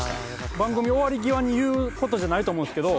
番組終わり際に言うことじゃないと思うんすけど。